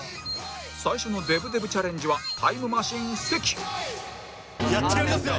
最初のデブデブチャレンジはタイムマシーン関やってやりますよ！